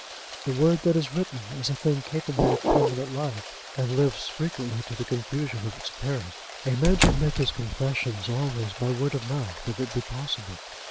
The word that is written is a thing capable of permanent life, and lives frequently to the confusion of its parent. A man should make his confessions always by word of mouth if it be possible.